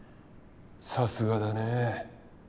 さすがだね。